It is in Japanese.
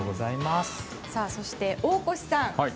そして大越さん。